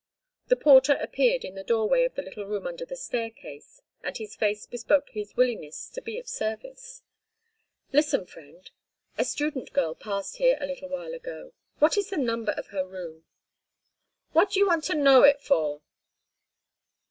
The porter appeared in the doorway of the little room under the staircase, and his face bespoke his willingness to be of service. "Listen, friend, a student girl passed here a little while ago—what is the number of her room?" "What do you want to know it for?"